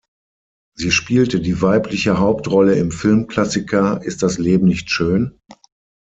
Sie spielte die weibliche Hauptrolle im Filmklassiker "Ist das Leben nicht schön?